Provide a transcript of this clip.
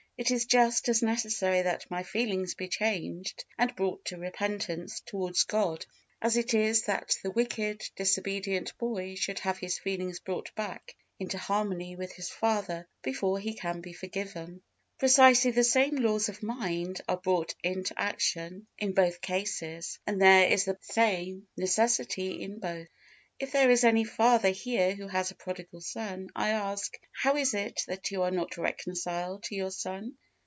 It is just as necessary that my feelings be changed and brought to repentance towards God, as it is that the wicked, disobedient boy, should have his feelings brought back into harmony with his father before he can be forgiven. Precisely the same laws of mind are brought into action in both cases, and there is the same necessity in both. If there is any father here who has a prodigal son, I ask, How is it that you are not reconciled to your son?